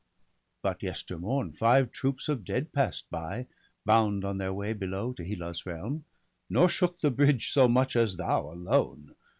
But yestermorn, five troops of dead pass'd by, Bound on their way below to Hela's realm. Nor shook the bridge so much as thou alone.